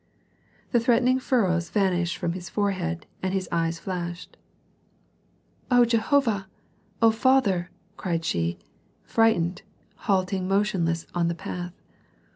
The threatening furrows vanished from his forehead and his eyes flashed. "O Jehovah! O Father!" cried she, frightened, halting motionless on the path.